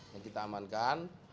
yang kita amankan